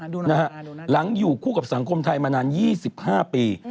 หลังอยู่คู่กับสังคมไทยมานาน๒๕ปี